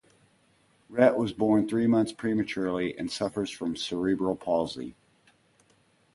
Rhett was born three months premature and suffers from cerebral palsy.